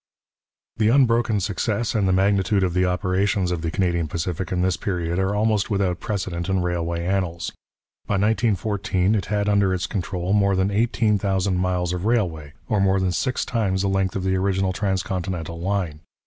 The unbroken success and the magnitude of the operations of the Canadian Pacific in this period are almost without precedent in railway annals. By 1914 it had under its control more than eighteen thousand miles of railway, or more than six times the length of the original transcontinental line.